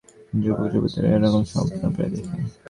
যুবক-যুবতীরা এ রকম স্বপ্ন প্রায়ই দেখে।